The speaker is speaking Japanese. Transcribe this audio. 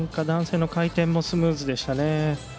男性の回転もスムーズでしたね。